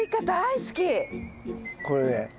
これね